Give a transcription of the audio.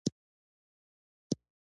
و وېرېدم، چې له څرخک نه را بهر نه شم.